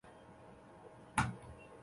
审查会议之议决结果